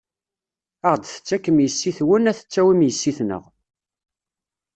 Ad ɣ-d-tettakem yessi-twen, ad tettawin yessi-tneɣ.